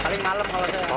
oh lagi malam kalau saya